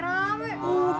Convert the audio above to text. udah gue nuar